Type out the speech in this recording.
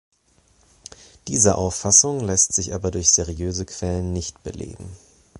Diese Auffassung lässt sich aber durch seriöse Quellen nicht belegen.